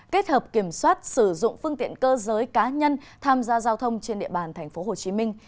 kết hợp kiểm soát sử dụng phương tiện cơ giới cá nhân tham gia giao thông trên địa bàn thành phố hồ chí minh